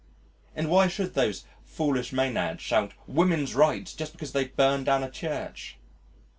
And why should those foolish Mænads shout Women's Rights just because they burn down a church?